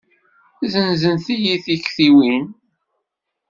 Zenzent-iyi tektiwin.